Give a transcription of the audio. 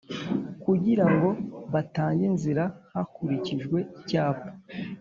kugira ngo batange inzira hakulikijwe icyapa